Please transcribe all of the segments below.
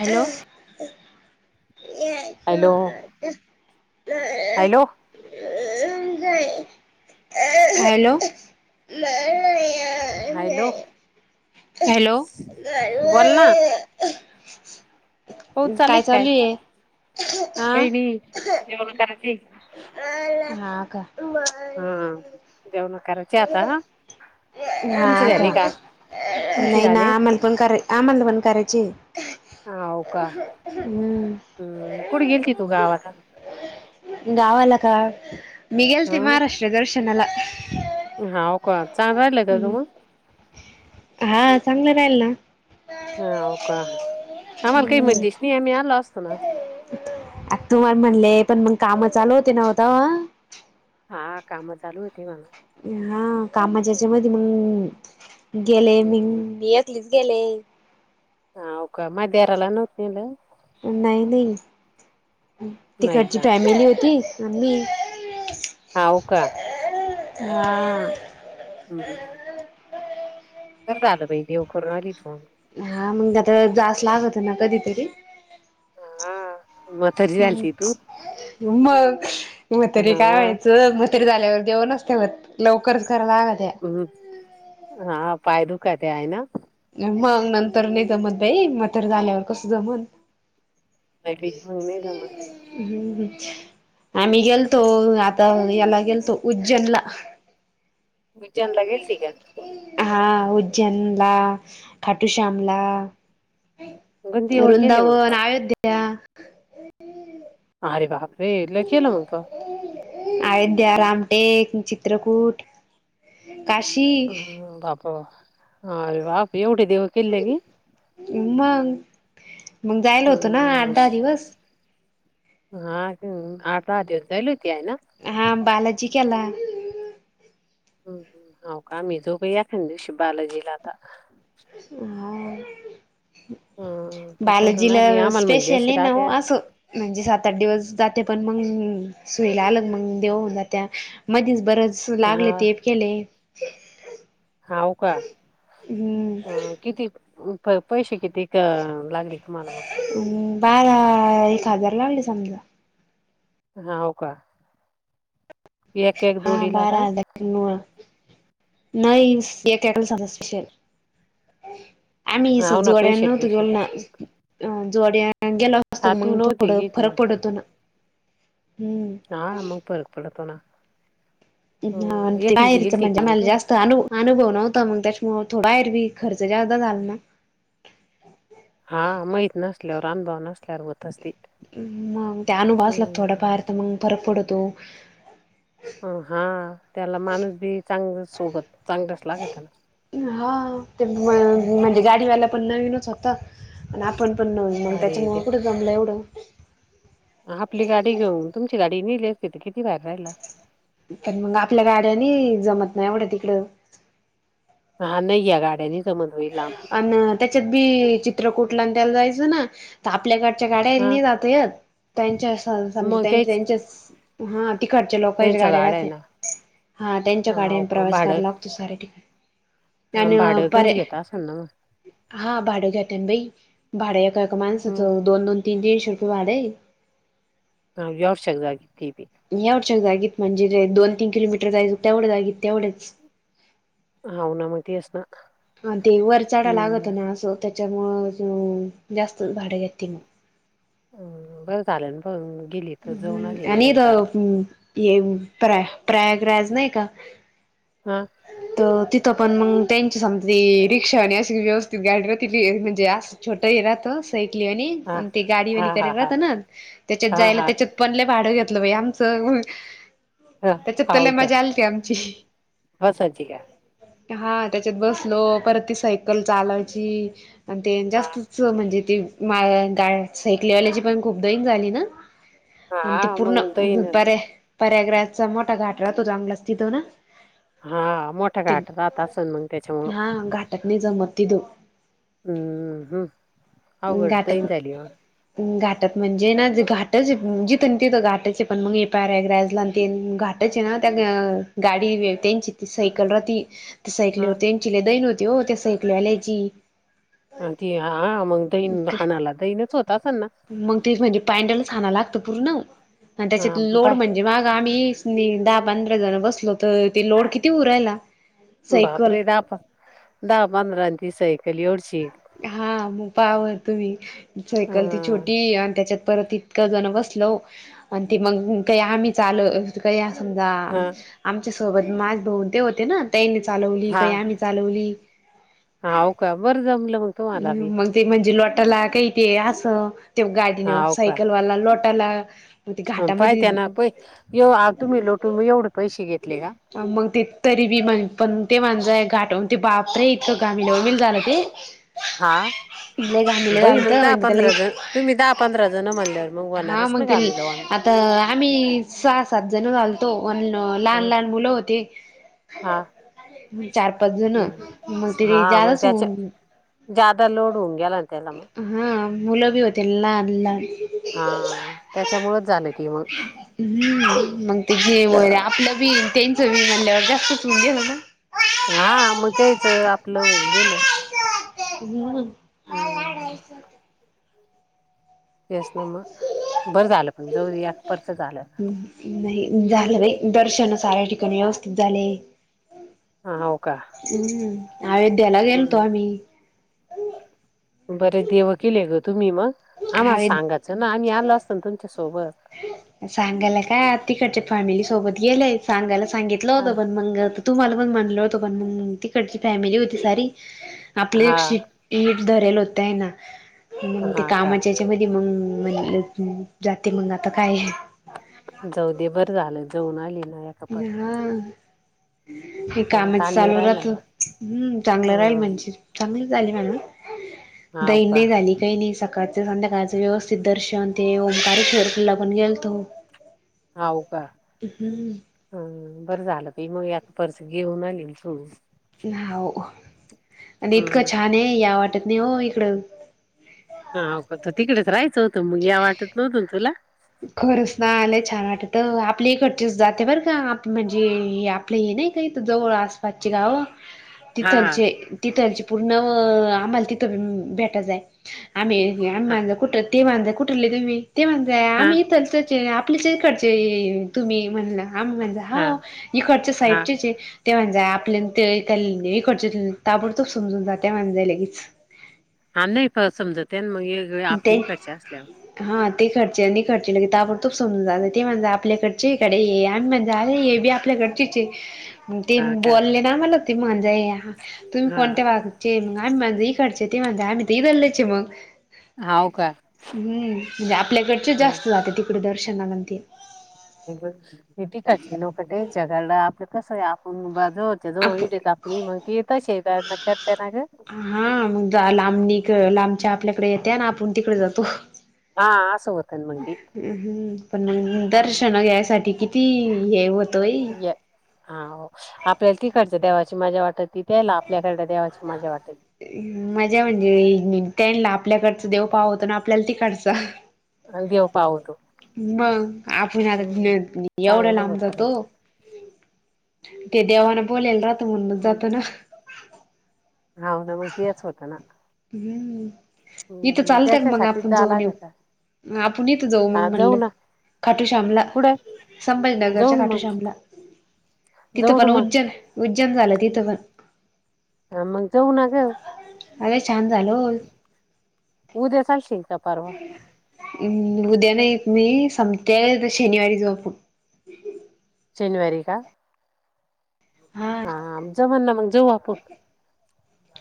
Hello hello hello [unintelligible] hello hello hello बोल ना पाऊस चालू काय चालूये? आ काही नाही जेवण कारायची हा का जेवणं करायची आता तुमचं हा झाले का तुमचे नाही ना झाले म पण कराय आ म्हणला पण करायचे ह होव का हम्म कुठे गेलती तू गावाला. गावाला का मी गेलती महाराष्ट्र दर्शनाला हौ का [inaudible] हा चांगलं राहील ना. हाव का आम्हाला काही हम्म म्हणतीस नाही आम्ही आलो असतो ना. आ तूम्हाला म्हणले पण मग काम चालू होते नव्ह तवा. हा काम चालू होती म्हणा. हा कामाच्या यांच्या मधी मग गेले मी, मी एकलीच गेले. हाव का मा देराला नव्हत नेल? नाही, नाही. नाही तिकडची का फॅमिली होती आणि मी. हाव का हा. हम्म, हम्म. बर झालं बाई देव करू राहिली तू. हा मग आता जास लागत ना कधीतरी. हा म्हातारी झालती तू मग, हा म्हतरी काय व्हायचं म्हतरी झाल्यावर देऊनच ठेवत लवकरच करा लाग त्या. हम्म, हा पाय दुखत्या आहे ना. मग नंतर नाही जमत बाई मग म्हातार झाल्यावर कसं जमल. नाही, बाई मग नाही जमत ते. हम्म आम्ही गेलतो आता याला गेलतो उज्जैनला. उज्जैन ला गेलती का? हा उज्जैन ला, खटुश्याम ला गंदी व केले मग वृंदावन, तो अयोध्या अरे बापरे लय केलं मग तव्हा. अयोध्या, रामटेक, चित्रकूट काशी ह बाप बा अरे बाप एवढे देव केल नी? मग, मग जायल होतं ना आठ, हम्म दहा उश. दिवस. हा आठ, दहा दिवस जायेल होती आहे ना? हा बालाजी केला. ह हाव का आम्ही जाऊ बाई एकन दिवशी बालाजीला आता. हा. अ तू करून बालजीला आली आम्हाला म्हणली स्पेशल अशी नाही आल्या नाव अस म्हणजे सात, आठ दिवस जाते पण मग सुईला आलं मग देव होन जात्या मधीच बरंच लागले हा ते केले. हाव का, हम्म किती? पै, पैसे कितीक लागले तुम्हाला मग? अ म बारा, एक हजार लागले समजा. हाव का. एक एक हा जोडीला का बारा हजार नाही टस [unintelligible] स्पेशल आम्ही अस हो ना जोड्यान पेशल नव्हतो गेलोना, पेशलच जोड्या गेलो कस हा तू मग नव्हती थोडं गेली फरक पडतो ना, हम्म. ना मग फरक पडतोना. ते छान ते बाहेरच गेलती म्हणजे का मग मल तू जास्त अनु अनुभव नव्हता मग त्याच्यामुळ थोडा एरवी खर्च जास्दा झाला ना हा माहित नसल्यावर अनुभव नसल्यावर होतच ते. मग त्या अनुभव असला का थोडा फार तर मग फरक पडतो. ह हा त्याला माणूस बी चांगलं सोबत चांगल्याच लागत ना. [unintelligible] हम्म. म्हणजे गाडीवाला पण नवीनच होता आणि आपण पण नन मग अरे त्याच्यामुळ कुठं जमलं एवढं. आपली गाडी घेऊन तुमची गाडी नेलीच तिथे किती भारी राहिल. आणि मग आपल्या गाड्यानी जमत नाही एवढं तिकडं. हा नाही या गाड्यानी जमत बाई लाब. अन त्याच्यात बी चित्रकूटला द्यायला जायचं ना तर आपल्या घडच्या गाड्या हा नाही जात य त्यांच्या समजा मग त्यां तेच त्यांच्या हा तिकडच्या लोकांच्या त्यांच्या गाड्या आहे के ना हा त्यांच्या हा हो गाड्या का प्रवास कराला भाडं स ठीक आहे त्यानं [unintelligible] हॅलो. हा भाडं घेता ना बाई भाडं आहे का एका- एका माणसाच मग दोन- दोन तीन तीनशे रुपये भाड ये. एवढ्याश्या जागी ते बी एवढच्या जागी म्हणजे दोन तीन किलोमीटर जायचं तेवढं जागत तेवढंच. हवं ना मागतेच ना. अ ते वरचाडा लागत हम्म ना असो त्याच्यामुंळ जास्त भाडं घेती मग. बरं झालं पण गेली तर जऊन आली ना एकदा. हम्म. ये प्र प्रयागराज नाही का. हा. त तिथं पण मग त्यांची समजी रिक्षा आणि अशी व्यवस्थित गाडीवर ति म्हणजे छोट राहत सयकलीनी हा आणि ते गाडीवानी हा कर हा हा राहत ना त्याच्यात हा जायला हा त्याच्यात पण भाडं घेतलं बाई आमचं हा त्याच्यात लई हाव का मजा आलीती आमची बसायची का हा त्याच्यात बसलो परत ती सायकल चालायची आणि ते हा जास्तच म्हणजे ते मा गा सायकली वाल्याची पण खूप दईन झाली ना. आणि ते हा पूर्ण मग दहीन पर्या पर्यागराचा मोठा घाट राहतो चांगलाच तिथून. हा मोठा घाट राहत असण मग हा त्याच्यामुळं. घाटात नाही जमत तिथून. हम्म -हम्म. अवघड घाटात दहीन झाली मग. घाटात म्हणजे ना घाटच जिथं ना तिथं घाटायच पण मग हे प्रयागराज ला आणि ते घाटायचे ना त्या गाडी त्यांची ती सायकल राहती. त्या हा सायकलीवर त्यांची ल दईन होती हो त्या सायकली आल्यायची. ती हा मग दहीन हाणाला दहीणच होत असल ना. मग तेच म्हणजे पँनडलच खां लागतं पूर्ण आणि त्याच्या हा लोड पाय म्हणजे म्हणजे मग आम्ही दहा पंधरा जण बसलो तर ते लोड किती होऊ राहिला. बापरे दहा प दहा पंधराची सायकल एवढी शिक. हा मग पाव बर तुम्ही हा सायकल ती छोटी आणि त्याच्यात परत इतकं जण बसलो आणि त मग काही आम्ही चालू त काही या समजा हा आमच्यासोबत माझ भाऊ ते होते ना त्यानी चालवली काही आम्ही चालवली. हा होव का बरं जमलं मग. तुम्हाला बी मग ते म्हणजे लोटाला काही ते असं ते गाडीने हाव सायकलवाला लोट त्याला- हा पाहि त्या ना प [unintelligible] तुम्ही लोटू एवढे पैसे घेतले का? मग ते तरी बी म्हण पण ते माणजं आहे घाटवरून ते बापरे [unintelligible] झालं ते हा लय घामिल बई झालत मग दहा म्हणजे पंधरा त्याला जण तुम्ही दहा पंधरा जण म्हणल्यावर मग होणारच ना घाम आल्या वाणी. तर आम्ही सहा सात जण झालतो अन् हा लहान लहान मुलं होते. हा हं चार पाच जण हम्म मग तरी जादाच होऊन- ज्यादा लोड होऊन गेला ना त्याला मग. हा मुलं बी होती लहान लहान. हा त्याच्यामुळेच झालेय. हम्म मग ते जेवन आपलं बी. तेनचं बी मनल्यावर जास्तच होऊन गेलं ना. हा मग त्यायचं आपलं होऊन गेलं. हम्म हम्म काढायचं. त्यासनं म बरं झालं पण जाऊदे याकपरच झालं. नाही झालं बय दर्शन सऱ्या ठिकाणी व्यवस्थित झाले. हा होका. हम्म अयोध्येला गेलतो आम्ही. बरेच देवं केले ग तुम्ही मग आम्हाला अयोध्या सांगायचं ना आम्ही आलो असतो ना तुमच्यासोबत. सांगायला काय तिकडच्या फॅमिली सोबत गेलंय सांगायला सांगितलं होतं हा पण मंग तुम्हाला पण म्हणलं होतं पण मग तिकडची फॅमिली होती सारी आपली एक हा. शीट. नीट धरेल होतय ना मग ते हा का कामाच्या ह्याच्यात- त्याच्यामध्ये मंग म्हणले की जाते मंग आता काय आहे. जाऊ दे बर झालं जाऊन आली ना. एका प ह हा हे कामच ताण नाही चालू राहिला राहतं ना हम्म चांगलं राहील ह म्हणजे. चांगली झाली ना म्हण हाव का दैनय झाली‌. काही नाही सकाळचं संध्याकाळचं व्यवस्थित दर्शन ते ओंकारेश्वर ला पण गेलतो. हाव का. हम्म हा बरं झालं ते मग याक पर्स घेऊन आली मी- हा आणि इतकं हम्म छान आहे याव वाटत नाही हो इकडं. हा का त तिकडेच राहयचं होतं मग याव वाटत नव्हतं ना तुला. खरंच ना लय छान वाटतं आपली इकडचेच जात आहे बरं का आप म्हणजे आपले नाय का इथे जवळ आसपासची गाव. तिथं हा आमचे तिथं आमचे पूर्ण न आम्हाला तिथं बी भेटायचंय. आम्ही हा आम्हाला कुठ ते म्हणज कुठलं तुम्ही ते म्हणजाय हा आम्ही इथलंच. ते आपलेच इकडचे तुम्ही म्हणलं आम्ही म्हणलं हा होव इकडच्या हा साईडचेच हाय. ते म्हणज आपल्या ते एकडचेच ताबडतोब समजून जातं म्हणजे लगेच. हा नाही परत समजते मग आपली ते इकडची असल्यावर. हा तिकडचे आणि इकडचे लगेच ताबडतोब समजून जात ते म्हणजे आपल्याकडचे [unintelligible] म्हणजे अरे हे बी आपल्या आपल्याकडचेच हाय ते हा का बोलले ना मला ते म्हणजाय तुम्ही हा कोणत्या भा ते मग आम्ही म्हणजा इकडचे ते म्हणजा आम्ही तर इकडलेच आहे मग. हाव का हम्म म्हणजे आपल्याकडच हम्म जास्त जाते, तिकडे दर्शनानंत! टकायचे लोक जगाला! आप कसं आहे आपण बाज होते. आप नि मग पीेतश अ न करते ना का! हा मग लांबणी लांबच्या आपल्याकडे येते ना? आपण तिकडे जातो. हा आस होतन मंगली! ह्! पण दर्शन घ्यायसाठी किती हे होत? या [unintelligible] [inaudible] हा! हो! आपल्याला तिकडचं देवाची मजा वाटल! तिथयला आपल्याकडडे देवाची मजा वाटल! ! मजा म्हणजे त्यांनला आपल्याकडचं! देव पाव होतं ना? आपल्याला तिकडचं! अ देव पाओ! मग आपण आता एवढं चांगलं होतं मग लांबतातो! ते देवाना बोलेल राहत म्हण जातो ना! - हा न म इतिहास होता ना! हम्म इथं हम्म चालतय मग त्याच्यासाठीच आपण जावं जाऊन येऊ लागेल का आपण इथं जाऊ हा मग म्हणलं! ना खाटू श्यामला कुठे जाऊ संभाजीनगरच्या ना मग खाटूश्यामला! तिथं जाऊ ना पण मग उज्जन उज्जैन झालं, तिथं पण! आमग जाऊ ना गे आ! अरे छान झालो! उद्या चाशील का परवा! हम् उद्या नाही मी संमते शनिवारी जाऊ आपु! शनिवारी का? हा जमना मग जाऊ आपून!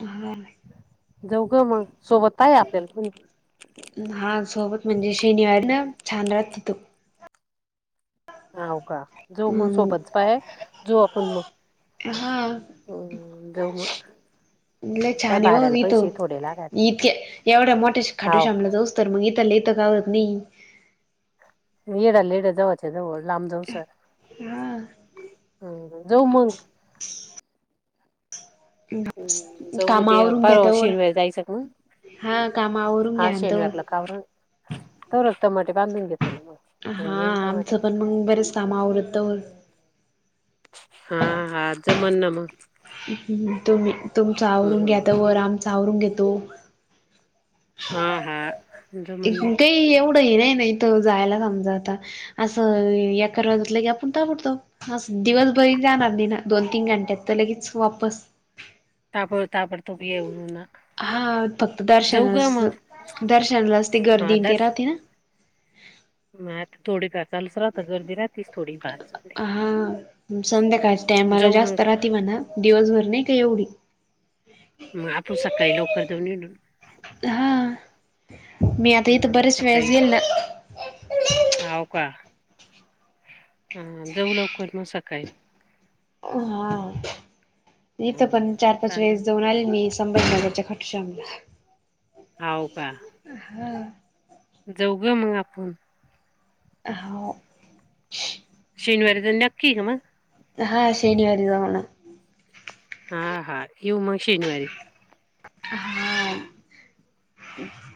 हा. जाऊ ग मग सोबत पाहिजे आपल्याला म्हण! हा सोबत म्हणजे शनिवारी ना? छान रात तिथो! हाव का जो मग हम्म सोबतचा पाह! आहे जो आपण मग! हा! हम्म जाऊ मग लय काय छान आहे हो भाड्याला इथो! पैसे थोडे लागात इतके एवढ्या मोठे खाटू हाव श्यामला जाऊस! तर मग इथल्या इथ काहून नाही! येडाललेड्या जावाचे जावळ, लांब जाऊ सर हा हम जाऊ मग! हम् जाऊ काम दे आवरून घ्या परवा तवर शिवावारी जायचं मग! हा काम आवरून हा घ्या शनिवारला तवर कावरून तोहरत टोमॅटो बांधून घेतो, ना मग होऊन हा जाईन टमाटे आमचं त पण मग बरेच कामा आवडतं! हा हा ज म्हण ना मग! ! तु, तुम्ही तुमच आवरून घ्या! हम्म तोवर आम्ही आमच आवरून घेतो. हा! हा! जमन मग तेकाही एवढं हे नाही नाही, तर जायला समजा आता! असं एका रोजजात आपण ताबडतो! हा दिवसभरी जाणार नाही ना? दोन तीन घंट्यात तर लगेच वापस! ताब ता ताबडतोब येऊ ना! हा फक्त जाऊ दर्शना ग अस! मग दर्शनालाच ते हा गर्दीन ते दर्श राहते ना? मग आता थोडी का! चालूच राहत गर्दी राहतीस थोडी फार! संध्याकाळी! ! त्यामाला मग जास्त राहते म्हणा दिवसभर नाही का एवढी! मग आपू सकाळी लवकर जाऊन हिंडून! हा मी आता इथं हम्म बरेच वेळेस सकाळी गेली ना हाव का ह जाऊ लवकर म सकाळी हा ह इथं पण चार पाच वेळेस जाऊन चालते आले मी संभाजीनगरच्या ख शाम ला. हाव का. हा. जाऊ ग मग आपण. हा. शनिवारी तर नक्की न मग? हा शनिवारी जाऊ ना. हा हा येऊ मग शनिवारी. हा.